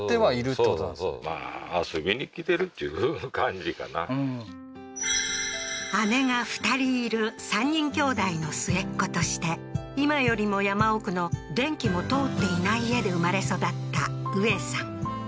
じゃあ姉が２人いる３人姉弟の末っ子として今よりも山奥の電気も通っていない家で生まれ育った宇恵さん